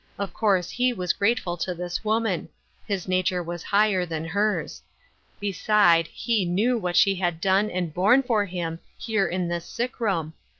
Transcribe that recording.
Of course he was grateful to this woman. His nature was higher than hers. Beside, he knew what she had done, and borne for him, here in this sick room.